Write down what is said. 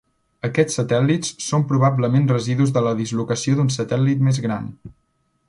Aquests satèl·lits són probablement residus de la dislocació d'un satèl·lit més gran.